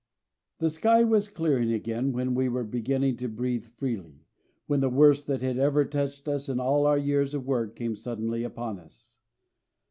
The sky was clearing again and we were beginning to breathe freely, when the worst that had ever touched us in all our years of work came suddenly upon us.